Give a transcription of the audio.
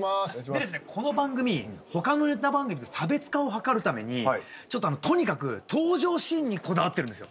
この番組他のネタ番組と差別化を図るためにとにかく登場シーンにこだわってるんですよ。